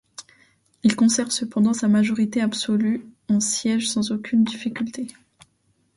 Il conserve cependant sa majorité absolue en sièges sans aucune difficulté.